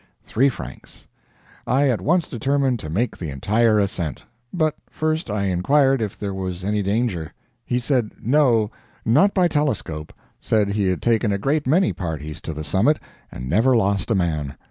Three francs. I at once determined to make the entire ascent. But first I inquired if there was any danger? He said no not by telescope; said he had taken a great many parties to the summit, and never lost a man.